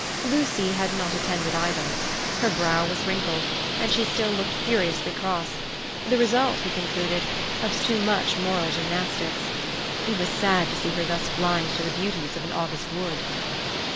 Lucy had not attended either. Her brow was wrinkled, and she still looked furiously cross—the result, he concluded, of too much moral gymnastics. It was sad to see her thus blind to the beauties of an August wood.